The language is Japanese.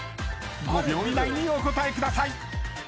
［５秒以内にお答えください］